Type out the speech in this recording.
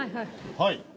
はい。